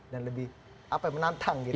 dan lebih apa ya menantang gitu